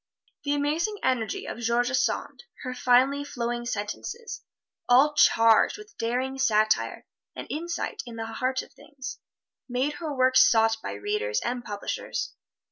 The amazing energy of George Sand, her finely flowing sentences all charged with daring satire and insight into the heart of things made her work sought by readers and publishers.